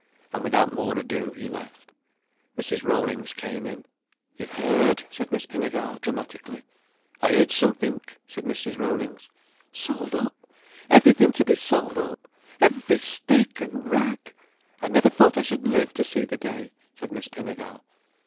And without more ado, he left. Mrs. Rollings came in. "You've heard?" said Miss Pinnegar dramatically. "I heard somethink," said Mrs. Rollings. "Sold up! Everything to be sold up. Every stick and rag! I never thought I should live to see the day," said Miss Pinnegar.